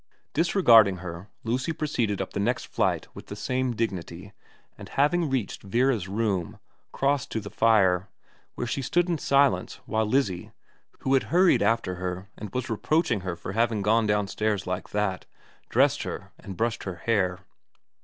Disregarding her, Lucy proceeded up the next flight with the same dignity, and having reached Vera's room crossed to the fire, where she stood in silence while xx VERA 227 Lizzie, who had hurried after her and was reproaching her for having gone downstairs like that, dressed her and brushed her hair.